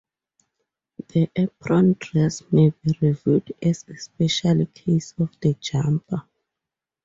The apron dress may be viewed as a special case of the jumper.